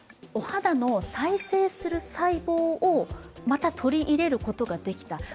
お肌の再生する細胞をまた取り入れることができた。